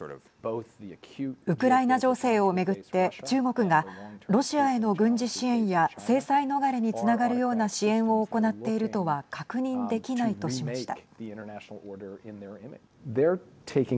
ウクライナ情勢を巡って中国がロシアへの軍事支援や制裁逃れにつながるような支援を行っているとは確認できないとしました。